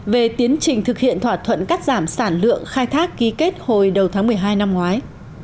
về tiến trình thực hiện thỏa thuận cắt giảm sản lượng khai thác ký kết hồi đầu tháng một mươi hai năm ngoái